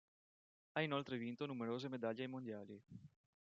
Ha inoltre vinto numerose medaglie ai mondiali.